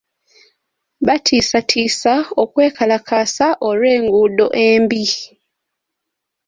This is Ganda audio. Batiisatiisa okwekalakaasa olw'enguudo embi.